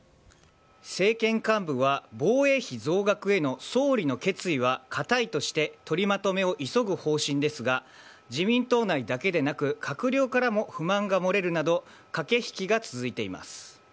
政権幹部は、防衛費増額への総理の決意は固いとして取りまとめを急ぐ方針ですが、自民党内だけでなく、閣僚からも不満が漏れるなど、駆け引きが続いています。